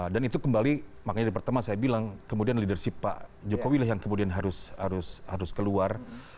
dan itu kembali makanya pertama saya bilang kemudian leadership pak jokowi lah yang kemudian harus keluar